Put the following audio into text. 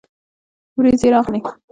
ورېځې راغلې